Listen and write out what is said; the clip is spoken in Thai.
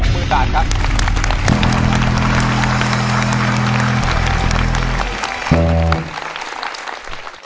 ๖๐๐๐๐บาทครับ